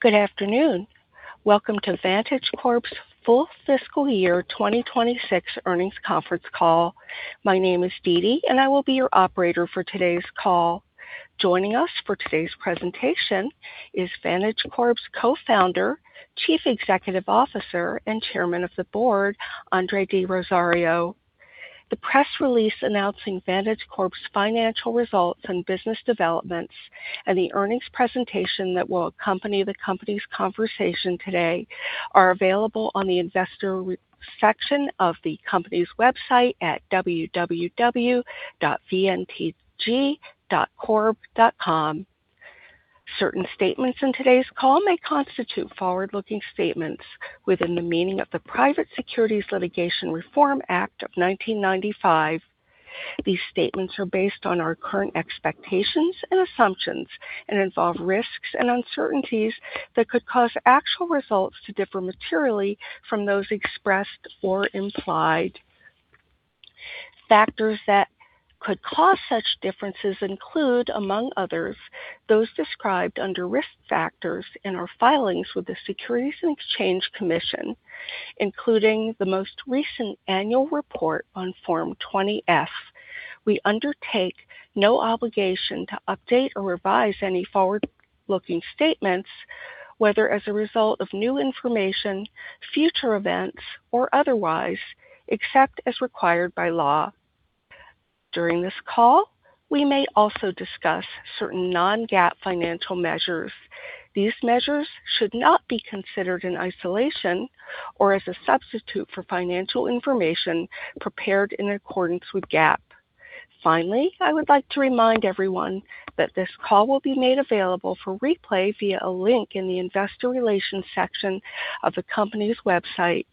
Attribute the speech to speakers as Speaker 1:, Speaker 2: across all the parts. Speaker 1: Good afternoon. Welcome to Vantage Corp's full fiscal year 2026 earnings conference call. My name is Didi, and I will be your operator for today's call. Joining us for today's presentation is Vantage Corp's Co-Founder, Chief Executive Officer, and Chairman of the Board, Andre D'Rozario. The press release announcing Vantage Corp's financial results and business developments, and the earnings presentation that will accompany the company's conversation today are available on the investor section of the company's website at www.vntg-corp.com. Certain statements in today's call may constitute forward-looking statements within the meaning of the Private Securities Litigation Reform Act of 1995. These statements are based on our current expectations and assumptions and involve risks and uncertainties that could cause actual results to differ materially from those expressed or implied. Factors that could cause such differences include, among others, those described under risk factors in our filings with the Securities and Exchange Commission, including the most recent annual report on Form 20-F. We undertake no obligation to update or revise any forward-looking statements, whether as a result of new information, future events, or otherwise, except as required by law. During this call, we may also discuss certain non-GAAP financial measures. These measures should not be considered in isolation or as a substitute for financial information prepared in accordance with GAAP. Finally, I would like to remind everyone that this call will be made available for replay via a link in the investor relations section of the company's website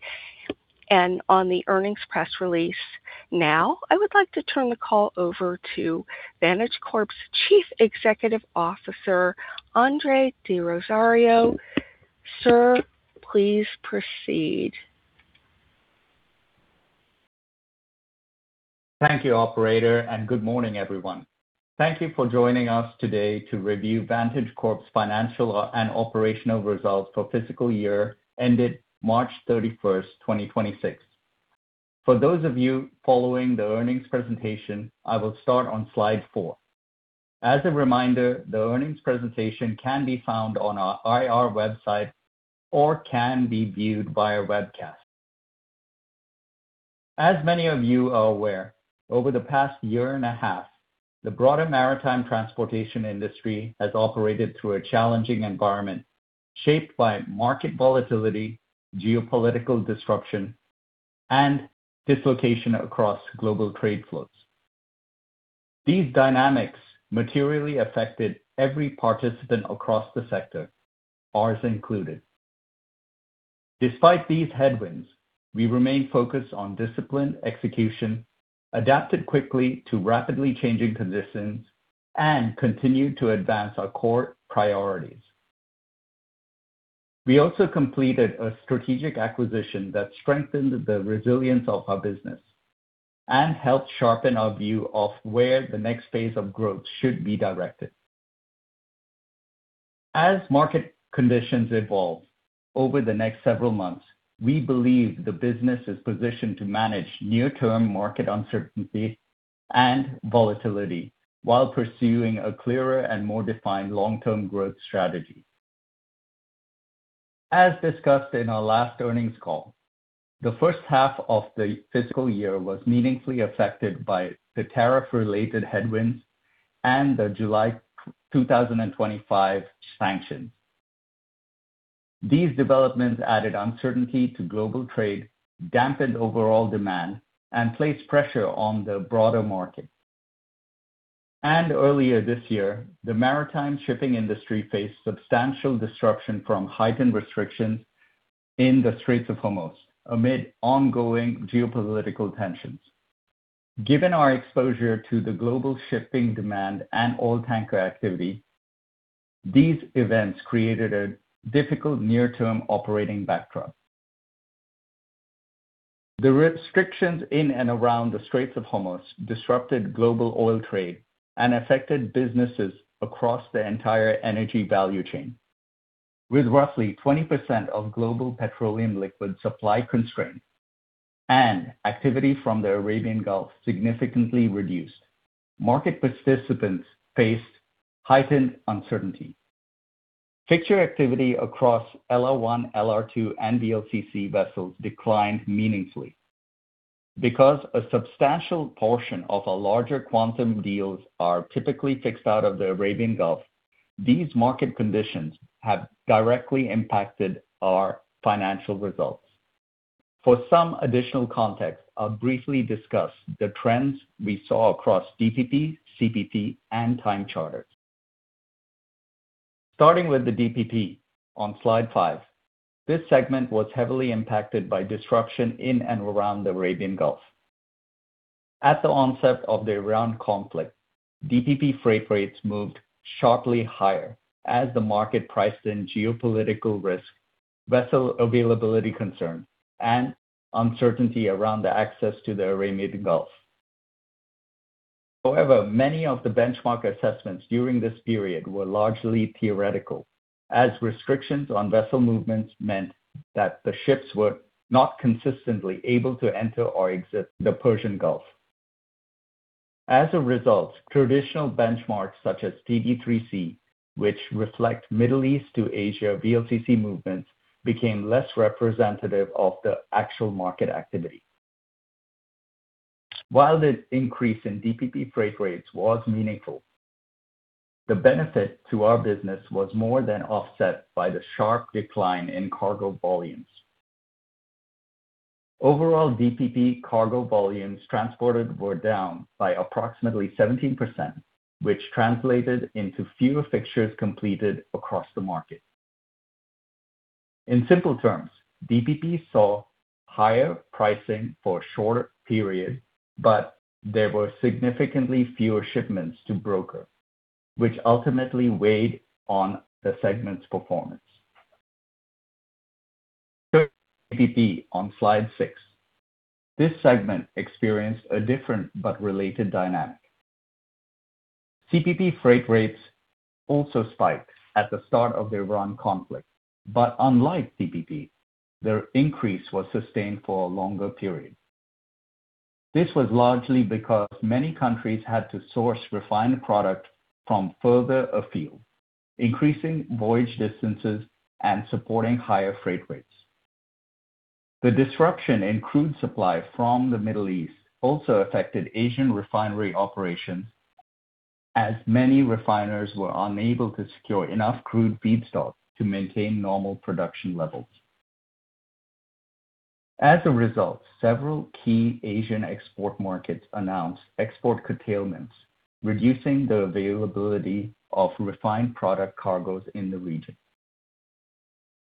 Speaker 1: and on the earnings press release. I would like to turn the call over to Vantage Corp's Chief Executive Officer, Andre D'Rozario. Sir, please proceed.
Speaker 2: Thank you, operator. Good morning, everyone. Thank you for joining us today to review Vantage Corp's financial and operational results for fiscal year ended March 31st, 2026. For those of you following the earnings presentation, I will start on slide four. As a reminder, the earnings presentation can be found on our IR website or can be viewed via webcast. As many of you are aware, over the past year and a half, the broader maritime transportation industry has operated through a challenging environment shaped by market volatility, geopolitical disruption, and dislocation across global trade flows. These dynamics materially affected every participant across the sector, ours included. Despite these headwinds, we remain focused on disciplined execution, adapted quickly to rapidly changing conditions, and continued to advance our core priorities. We also completed a strategic acquisition that strengthened the resilience of our business and helped sharpen our view of where the next phase of growth should be directed. As market conditions evolve over the next several months, we believe the business is positioned to manage near-term market uncertainty and volatility while pursuing a clearer and more defined long-term growth strategy. As discussed in our last earnings call, the first half of the fiscal year was meaningfully affected by the tariff-related headwinds and the July 2025 sanctions. These developments added uncertainty to global trade, dampened overall demand, and placed pressure on the broader market. Earlier this year, the maritime shipping industry faced substantial disruption from heightened restrictions in the Straits of Hormuz amid ongoing geopolitical tensions. Given our exposure to the global shipping demand and oil tanker activity, these events created a difficult near-term operating backdrop. The restrictions in and around the Straits of Hormuz disrupted global oil trade and affected businesses across the entire energy value chain. With roughly 20% of global petroleum liquid supply constrained and activity from the Arabian Gulf significantly reduced, market participants faced heightened uncertainty. Fixture activity across LR1, LR2, and VLCC vessels declined meaningfully. Because a substantial portion of our larger quantum deals are typically fixed out of the Arabian Gulf, these market conditions have directly impacted our financial results. For some additional context, I will briefly discuss the trends we saw across DPP, CPP, and time charters. Starting with the DPP on slide five, this segment was heavily impacted by disruption in and around the Arabian Gulf. At the onset of the Iran conflict, DPP freight rates moved sharply higher as the market priced in geopolitical risk, vessel availability concern, and uncertainty around the access to the Arabian Gulf. However, many of the benchmark assessments during this period were largely theoretical, as restrictions on vessel movements meant that the ships were not consistently able to enter or exit the Persian Gulf. As a result, traditional benchmarks such as TD3C, which reflect Middle East to Asia VLCC movements, became less representative of the actual market activity. While the increase in DPP freight rates was meaningful, the benefit to our business was more than offset by the sharp decline in cargo volumes. Overall, DPP cargo volumes transported were down by approximately 17%, which translated into fewer fixtures completed across the market. In simple terms, DPP saw higher pricing for a shorter period, but there were significantly fewer shipments to broker, which ultimately weighed on the segment's performance. DPP on slide six. This segment experienced a different but related dynamic. CPP freight rates also spiked at the start of the Iran conflict, but unlike DPP, their increase was sustained for a longer period. This was largely because many countries had to source refined product from further afield, increasing voyage distances and supporting higher freight rates. The disruption in crude supply from the Middle East also affected Asian refinery operations, as many refiners were unable to secure enough crude feedstock to maintain normal production levels. As a result, several key Asian export markets announced export curtailments, reducing the availability of refined product cargoes in the region.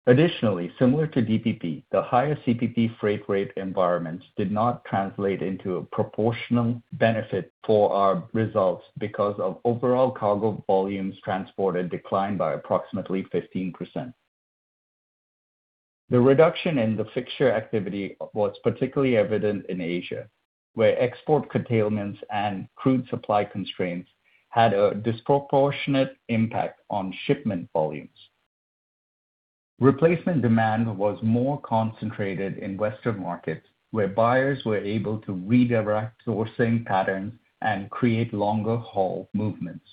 Speaker 2: Additionally, similar to DPP, the higher CPP freight rate environments did not translate into a proportional benefit for our results because of overall cargo volumes transported declined by approximately 15%. The reduction in the fixture activity was particularly evident in Asia, where export curtailments and crude supply constraints had a disproportionate impact on shipment volumes. Replacement demand was more concentrated in Western markets, where buyers were able to redirect sourcing patterns and create longer haul movements.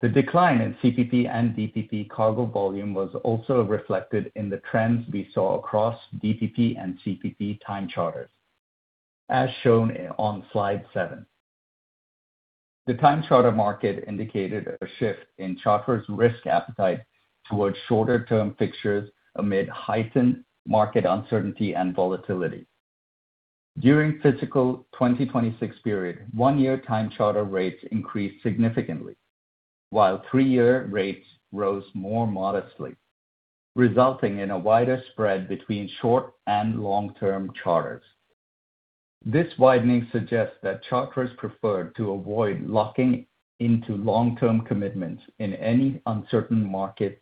Speaker 2: The decline in CPP and DPP cargo volume was also reflected in the trends we saw across DPP and CPP time charters, as shown on slide seven. The time charter market indicated a shift in charterers' risk appetite towards shorter-term fixtures amid heightened market uncertainty and volatility. During fiscal 2026 period, one-year time charter rates increased significantly, while three-year rates rose more modestly, resulting in a wider spread between short and long-term charters. This widening suggests that charterers preferred to avoid locking into long-term commitments in any uncertain markets,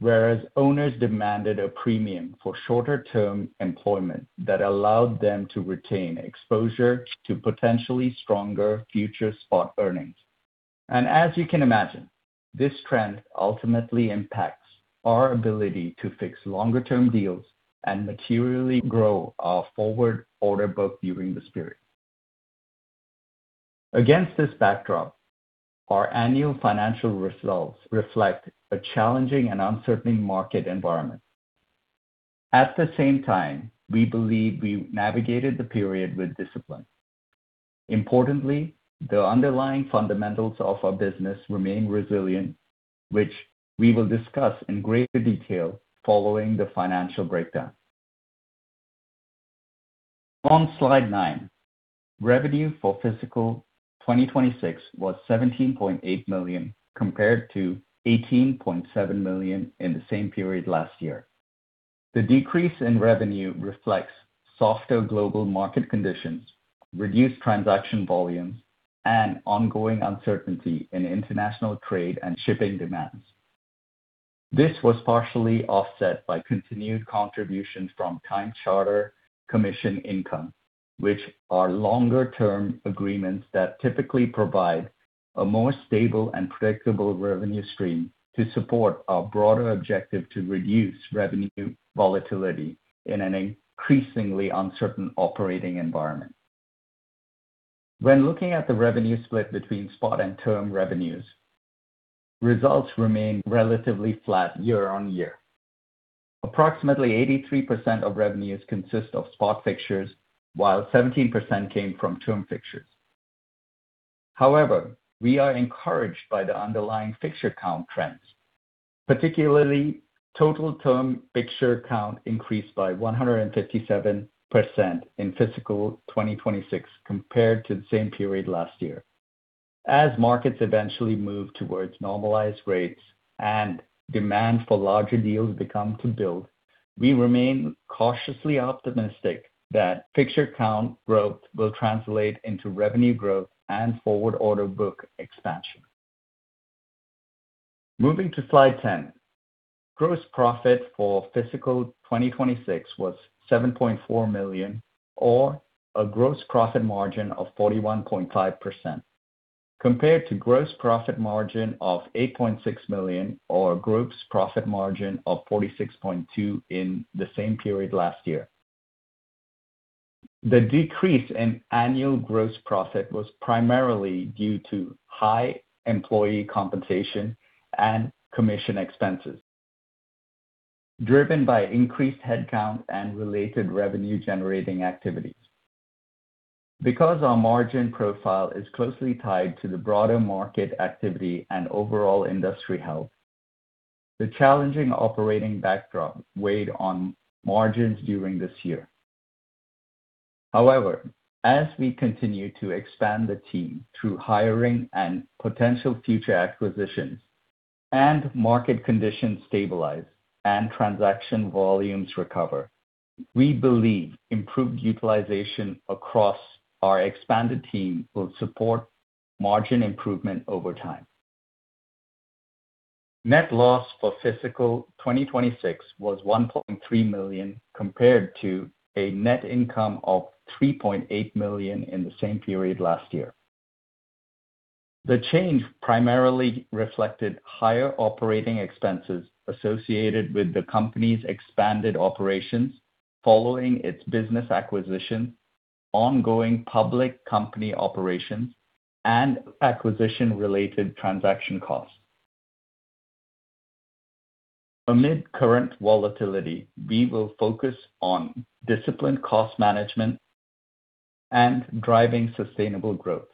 Speaker 2: whereas owners demanded a premium for shorter-term employment that allowed them to retain exposure to potentially stronger future spot earnings. As you can imagine, this trend ultimately impacts our ability to fix longer-term deals and materially grow our forward order book during this period. Against this backdrop, our annual financial results reflect a challenging and uncertain market environment. At the same time, we believe we navigated the period with discipline. Importantly, the underlying fundamentals of our business remain resilient, which we will discuss in greater detail following the financial breakdown. On slide nine, revenue for fiscal 2026 was $17.8 million, compared to $18.7 million in the same period last year. The decrease in revenue reflects softer global market conditions, reduced transaction volumes, and ongoing uncertainty in international trade and shipping demands. This was partially offset by continued contributions from time charter commission income, which are longer-term agreements that typically provide a more stable and predictable revenue stream to support our broader objective to reduce revenue volatility in an increasingly uncertain operating environment. When looking at the revenue split between spot and term revenues, results remain relatively flat year-on-year. Approximately 83% of revenues consist of spot fixtures, while 17% came from term fixtures. However, we are encouraged by the underlying fixture count trends, particularly total term fixture count increased by 157% in fiscal 2026 compared to the same period last year. As markets eventually move towards normalized rates and demand for larger deals become to build, we remain cautiously optimistic that fixture count growth will translate into revenue growth and forward order book expansion. Moving to slide 10. Gross profit for fiscal 2026 was $7.4 million, or a gross profit margin of 41.5%, compared to gross profit margin of $8.6 million or gross profit margin of 46.2% in the same period last year. The decrease in annual gross profit was primarily due to high employee compensation and commission expenses, driven by increased headcount and related revenue-generating activities. Our margin profile is closely tied to the broader market activity and overall industry health, the challenging operating backdrop weighed on margins during this year. However, as we continue to expand the team through hiring and potential future acquisitions, and market conditions stabilize and transaction volumes recover, we believe improved utilization across our expanded team will support margin improvement over time. Net loss for fiscal 2026 was $1.3 million, compared to a net income of $3.8 million in the same period last year. The change primarily reflected higher operating expenses associated with the company's expanded operations following its business acquisition, ongoing public company operations, and acquisition-related transaction costs. Amid current volatility, we will focus on disciplined cost management and driving sustainable growth.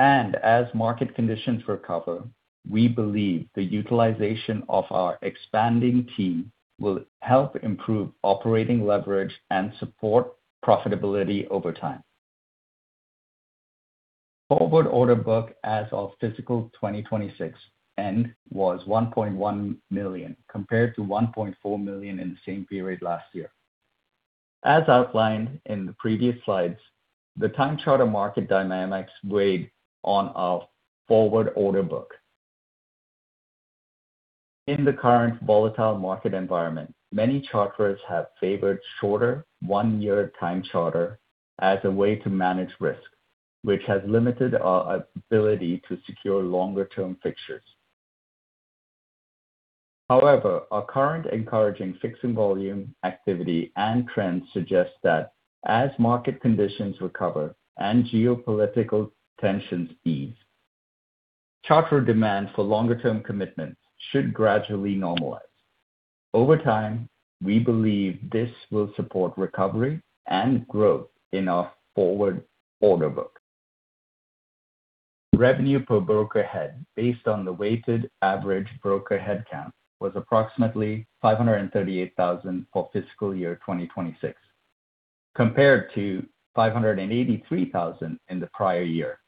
Speaker 2: As market conditions recover, we believe the utilization of our expanding team will help improve operating leverage and support profitability over time. Forward order book as of fiscal 2026 end was $1.1 million, compared to $1.4 million in the same period last year. As outlined in the previous slides, the time charter market dynamics weighed on our forward order book. In the current volatile market environment, many charterers have favored shorter one-year time charter as a way to manage risk, which has limited our ability to secure longer-term fixtures. Our current encouraging fixing volume activity and trends suggest that as market conditions recover and geopolitical tensions ease, charter demand for longer-term commitments should gradually normalize. Over time, we believe this will support recovery and growth in our forward order book. Revenue per broker head, based on the weighted average broker headcount, was approximately $538,000 for fiscal year 2026, compared to $583,000 in the prior year.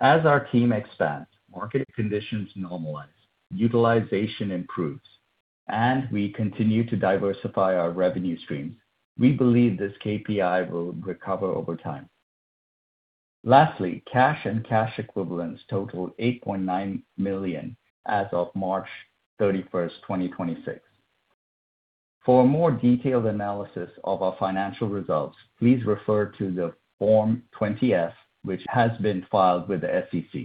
Speaker 2: As our team expands, market conditions normalize, utilization improves, and we continue to diversify our revenue streams, we believe this KPI will recover over time. Cash and cash equivalents totaled $8.9 million as of March 31st, 2026. For a more detailed analysis of our financial results, please refer to the Form 20-F, which has been filed with the SEC.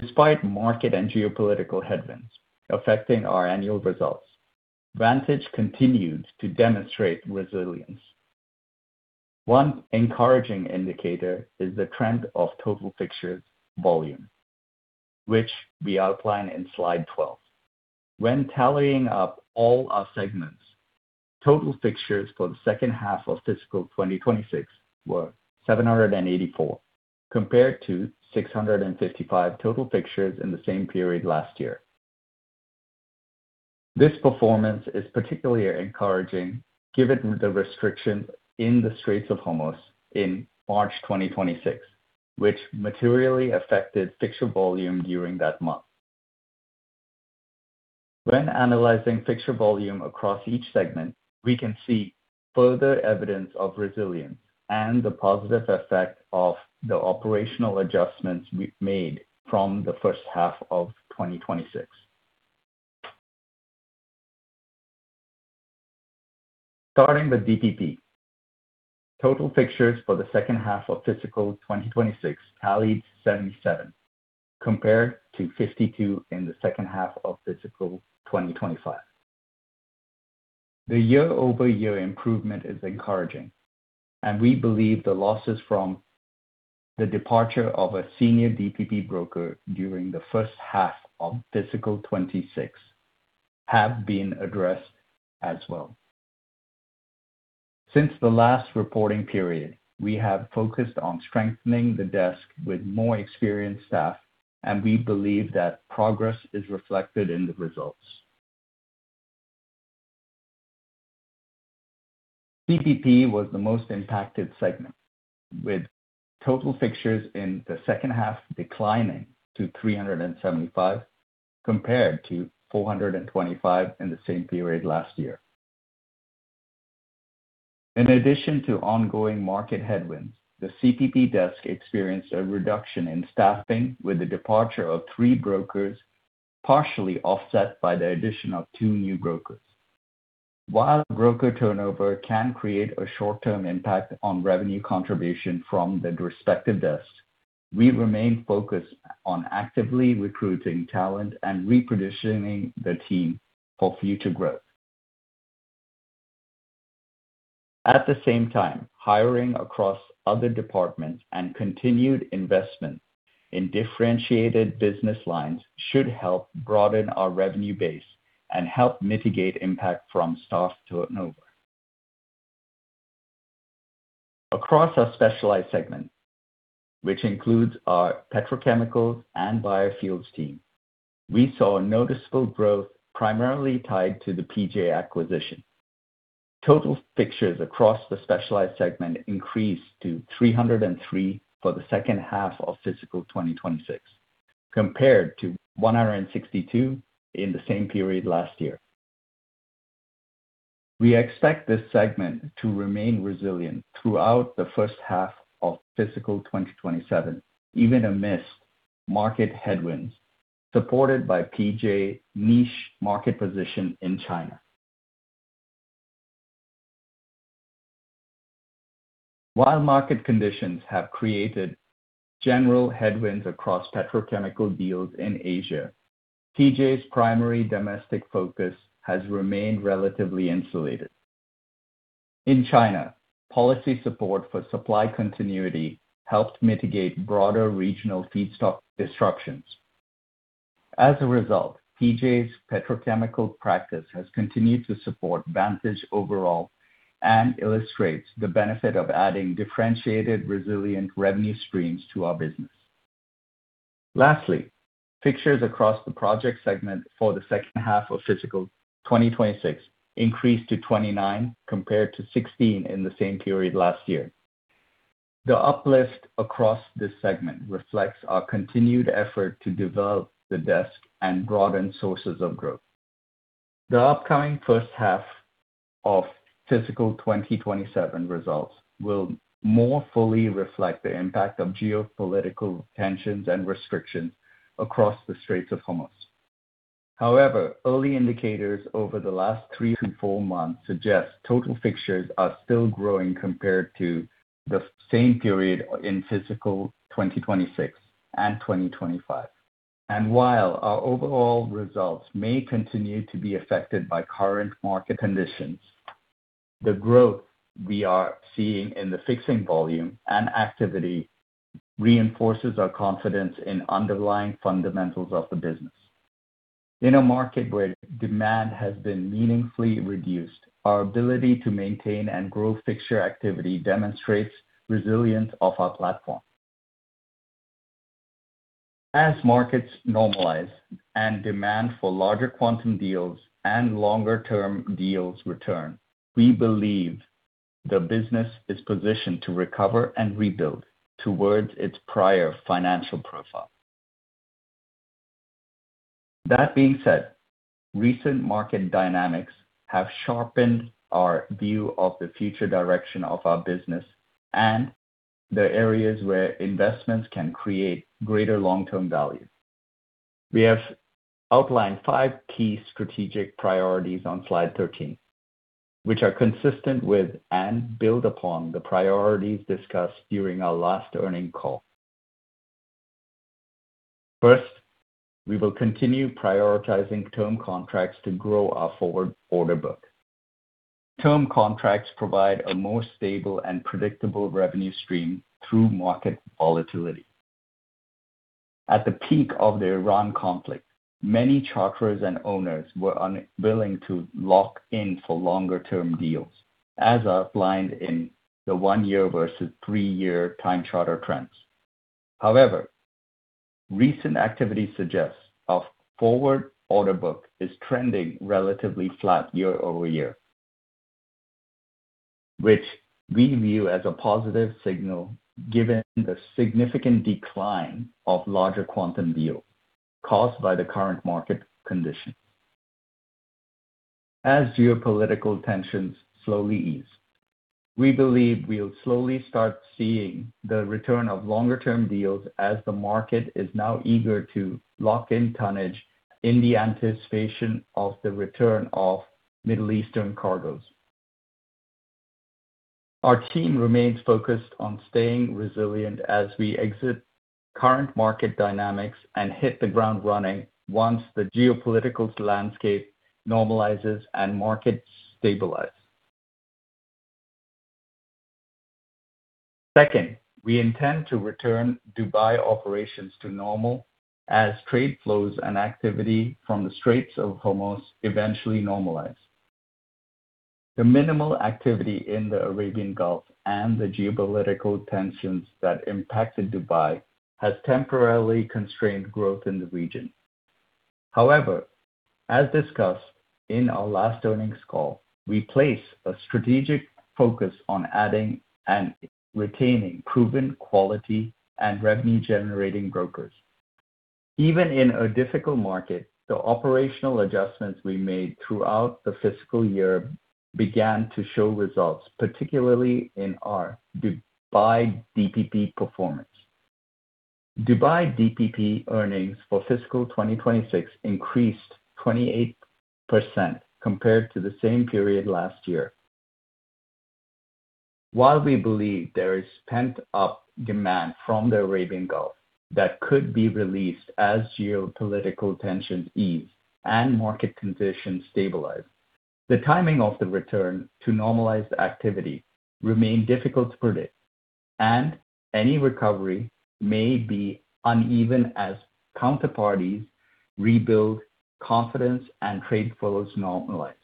Speaker 2: Despite market and geopolitical headwinds affecting our annual results, Vantage continued to demonstrate resilience. One encouraging indicator is the trend of total fixtures volume, which we outline in slide 12. When tallying up all our segments, total fixtures for the second half of fiscal 2026 were 784, compared to 655 total fixtures in the same period last year. This performance is particularly encouraging given the restriction in the Straits of Hormuz in March 2026, which materially affected fixture volume during that month. When analyzing fixture volume across each segment, we can see further evidence of resilience and the positive effect of the operational adjustments we've made from the first half of 2026. Starting with DPP. Total fixtures for the second half of fiscal 2026 tallied 77, compared to 52 in the second half of fiscal 2025. The year-over-year improvement is encouraging, and we believe the losses from the departure of a senior DPP broker during the first half of fiscal 2026 have been addressed as well. Since the last reporting period, we have focused on strengthening the desk with more experienced staff, and we believe that progress is reflected in the results. DPP was the most impacted segment, with total fixtures in the second half declining to 375 compared to 425 in the same period last year. In addition to ongoing market headwinds, the CPP desk experienced a reduction in staffing with the departure of three brokers, partially offset by the addition of two new brokers. While broker turnover can create a short-term impact on revenue contribution from the respective desks, we remain focused on actively recruiting talent and repositioning the team for future growth. At the same time, hiring across other departments and continued investment in differentiated business lines should help broaden our revenue base and help mitigate impact from staff turnover. Across our specialized segment, which includes our petrochemical and biofuels team, we saw a noticeable growth primarily tied to the PJ acquisition. Total fixtures across the specialized segment increased to 303 for the second half of fiscal 2026, compared to 162 in the same period last year. We expect this segment to remain resilient throughout the first half of fiscal 2027, even amidst market headwinds, supported by PJ's niche market position in China. While market conditions have created general headwinds across petrochemical deals in Asia, PJ's primary domestic focus has remained relatively insulated. In China, policy support for supply continuity helped mitigate broader regional feedstock disruptions. As a result, PJ's petrochemical practice has continued to support Vantage overall and illustrates the benefit of adding differentiated, resilient revenue streams to our business. Lastly, fixtures across the project segment for the second half of fiscal 2026 increased to 29 compared to 16 in the same period last year. The uplift across this segment reflects our continued effort to develop the desk and broaden sources of growth. The upcoming first half of fiscal 2027 results will more fully reflect the impact of geopolitical tensions and restrictions across the Straits of Hormuz. However, early indicators over the last three to four months suggest total fixtures are still growing compared to the same period in fiscal 2026 and 2025. While our overall results may continue to be affected by current market conditions, the growth we are seeing in the fixing volume and activity reinforces our confidence in underlying fundamentals of the business. In a market where demand has been meaningfully reduced, our ability to maintain and grow fixture activity demonstrates resilience of our platform. As markets normalize and demand for larger quantum deals and longer-term deals return, we believe the business is positioned to recover and rebuild towards its prior financial profile. That being said, recent market dynamics have sharpened our view of the future direction of our business and the areas where investments can create greater long-term value. We have outlined five key strategic priorities on slide 13, which are consistent with and build upon the priorities discussed during our last earning call. First, we will continue prioritizing term contracts to grow our forward order book. Term contracts provide a more stable and predictable revenue stream through market volatility. At the peak of the Iran conflict, many charterers and owners were unwilling to lock in for longer-term deals, as outlined in the one-year versus three-year time charter trends. However, recent activity suggests our forward order book is trending relatively flat year-over-year, which we view as a positive signal given the significant decline of larger quantum deals caused by the current market condition. Geopolitical tensions slowly ease, we believe we'll slowly start seeing the return of longer-term deals as the market is now eager to lock in tonnage in the anticipation of the return of Middle Eastern cargoes. Our team remains focused on staying resilient as we exit current market dynamics and hit the ground running once the geopolitical landscape normalizes and markets stabilize. Second, we intend to return Dubai operations to normal as trade flows and activity from the Straits of Hormuz eventually normalize. The minimal activity in the Arabian Gulf and the geopolitical tensions that impacted Dubai has temporarily constrained growth in the region. However, as discussed in our last earnings call, we place a strategic focus on adding and retaining proven quality and revenue-generating brokers. Even in a difficult market, the operational adjustments we made throughout the fiscal year began to show results, particularly in our Dubai DPP performance. Dubai DPP earnings for fiscal 2026 increased 28% compared to the same period last year. While we believe there is pent-up demand from the Arabian Gulf that could be released as geopolitical tensions ease and market conditions stabilize, the timing of the return to normalized activity remains difficult to predict, and any recovery may be uneven as counterparties rebuild confidence and trade flows normalize.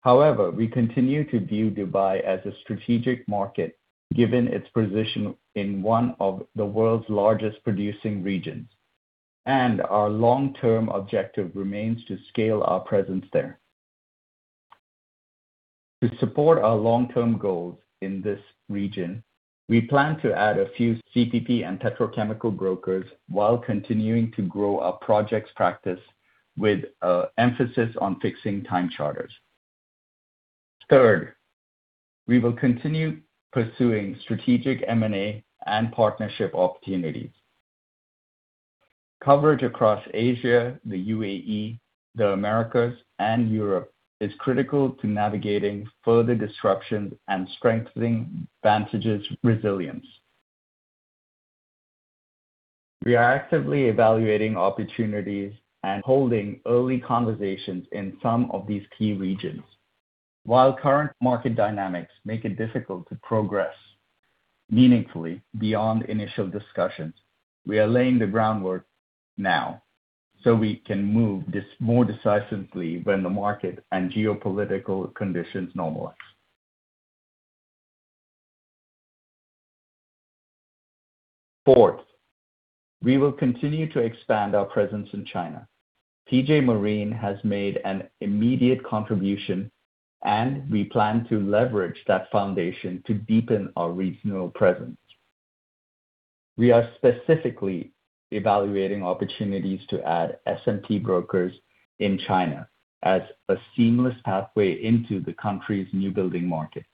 Speaker 2: However, we continue to view Dubai as a strategic market, given its position in one of the world's largest producing regions, and our long-term objective remains to scale our presence there. To support our long-term goals in this region, we plan to add a few CPP and petrochemical brokers while continuing to grow our projects practice with an emphasis on fixing time charters. Third, we will continue pursuing strategic M&A and partnership opportunities. Coverage across Asia, the UAE, the Americas, and Europe is critical to navigating further disruptions and strengthening Vantage's resilience. We are actively evaluating opportunities and holding early conversations in some of these key regions. While current market dynamics make it difficult to progress meaningfully beyond initial discussions, we are laying the groundwork now so we can move more decisively when the market and geopolitical conditions normalize. Fourth, we will continue to expand our presence in China. PJ Marine has made an immediate contribution, and we plan to leverage that foundation to deepen our regional presence. We are specifically evaluating opportunities to add S&P brokers in China as a seamless pathway into the country's new building market.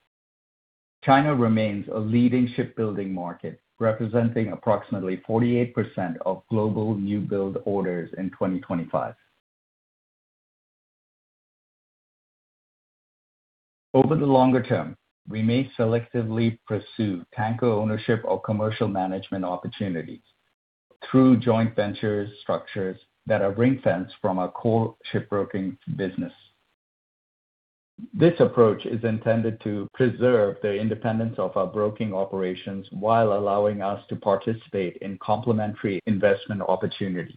Speaker 2: China remains a leading shipbuilding market, representing approximately 48% of global new build orders in 2025. Over the longer term, we may selectively pursue tanker ownership or commercial management opportunities through joint ventures structures that are ring-fenced from our core shipbroking business. This approach is intended to preserve the independence of our broking operations while allowing us to participate in complementary investment opportunities.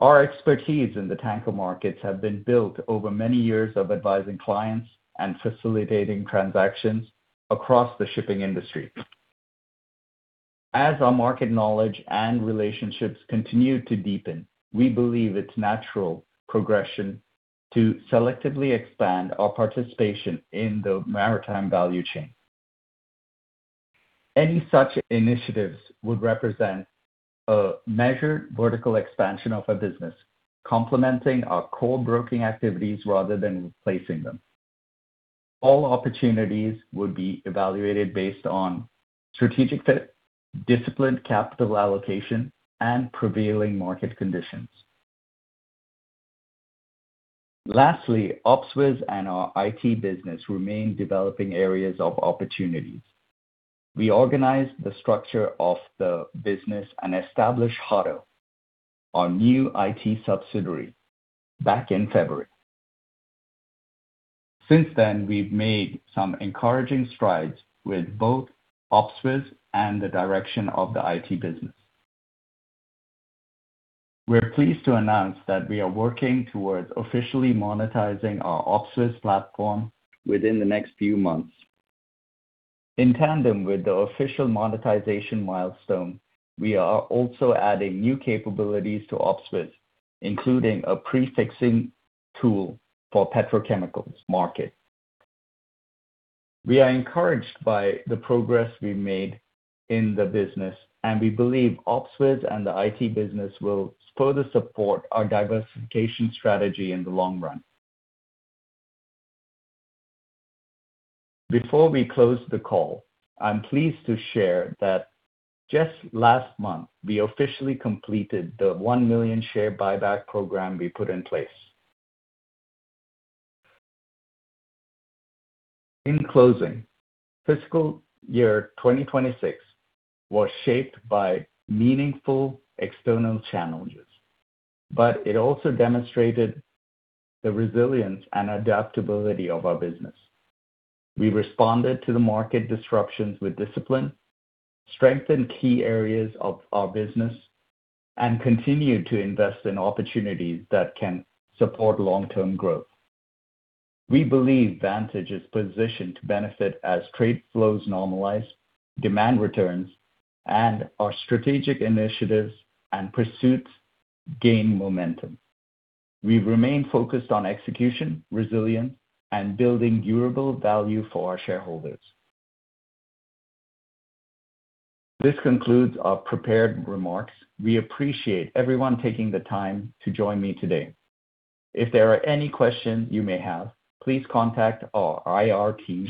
Speaker 2: Our expertise in the tanker markets have been built over many years of advising clients and facilitating transactions across the shipping industry. As our market knowledge and relationships continue to deepen, we believe it's natural progression to selectively expand our participation in the maritime value chain. Any such initiatives would represent a measured vertical expansion of a business, complementing our core broking activities rather than replacing them. All opportunities would be evaluated based on strategic fit, disciplined capital allocation, and prevailing market conditions. Lastly, OpsWiz and our IT business remain developing areas of opportunities. We organized the structure of the business and established Hadō, our new IT subsidiary, back in February. Since then, we've made some encouraging strides with both OpsWiz and the direction of the IT business. We're pleased to announce that we are working towards officially monetizing our OpsWiz platform within the next few months. In tandem with the official monetization milestone, we are also adding new capabilities to OpsWiz, including a prefixing tool for petrochemical markets. We are encouraged by the progress we made in the business, and we believe OpsWiz and the IT business will further support our diversification strategy in the long run. Before we close the call, I'm pleased to share that just last month, we officially completed the 1 million share buyback program we put in place. In closing, fiscal year 2026 was shaped by meaningful external challenges, but it also demonstrated the resilience and adaptability of our business. We responded to the market disruptions with discipline, strengthened key areas of our business, and continued to invest in opportunities that can support long-term growth. We believe Vantage is positioned to benefit as trade flows normalize, demand returns, and our strategic initiatives and pursuits gain momentum. We remain focused on execution, resilience, and building durable value for our shareholders. This concludes our prepared remarks. We appreciate everyone taking the time to join me today. If there are any questions you may have, please contact our IR team.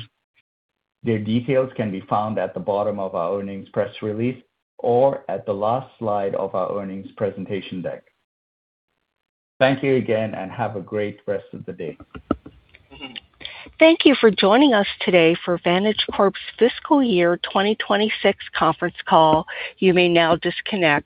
Speaker 2: Their details can be found at the bottom of our earnings press release or at the last slide of our earnings presentation deck. Thank you again and have a great rest of the day.
Speaker 1: Thank you for joining us today for Vantage Corp's fiscal year 2026 conference call. You may now disconnect.